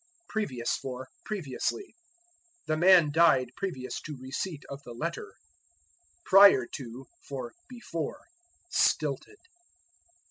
Previous for Previously. "The man died previous to receipt of the letter." Prior to for Before. Stilted.